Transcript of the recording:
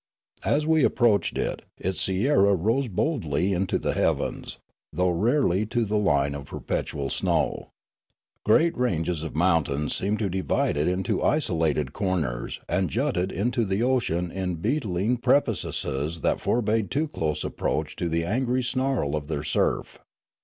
As we approached it, its sierra rose boldly into the heavens, though rarely to the line of perpetual snow. Great ranges of mountains seemed to divide it into isolated corners, and jutted into the ocean in beetling precipices that forbade too close ap proach to the angry snarl of their surf.